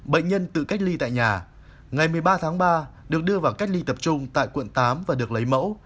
bệnh nhân tự cách ly tại nhà ngày một mươi ba tháng ba được đưa vào cách ly tập trung tại quận tám và được lấy mẫu